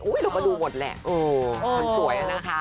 อุ๊ยเราไปดูหมดแหละมันสวยแล้วนะคะ